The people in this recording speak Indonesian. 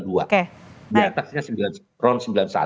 di atasnya ron sembilan puluh satu